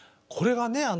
これがね